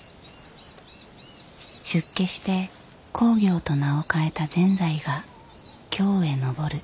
出家して公暁と名を変えた善哉が京へ上る。